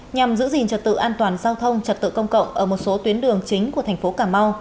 nhằm giữ gìn trật tự an toàn giao thông trật tự công cộng ở một số tuyến đường chính của tp hcm